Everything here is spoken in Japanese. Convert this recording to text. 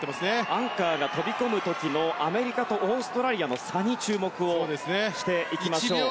アンカーが飛び込む時のアメリカとオーストラリアの差に注目をしていきましょう。